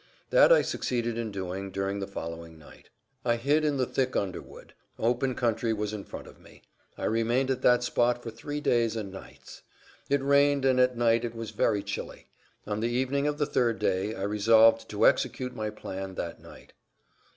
That I succeeded in doing during the following night. I hid in the thick underwood; open country was in front of me. I remained at that spot for three days and nights. It rained and at night it was very chilly. On the evening of the third day I resolved to execute my plan that night.